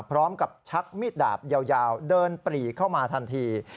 พร้อมกับชักมิดดาบยาวเดินปลีเข้ามาทันที